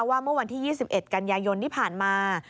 เมื่อวันที่๒๑กันยายนที่ผ่านมา